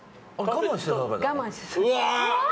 我慢してた。